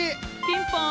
ピンポン。